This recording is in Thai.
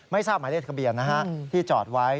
ไม่ทราบหมายเลขทะเบียนนะฮะที่จอดไว้